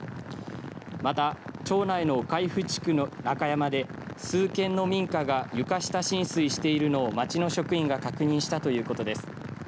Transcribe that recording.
また、町内の海部地区の中山で数件の民家が床下浸水しているのを町の職員が確認したということです。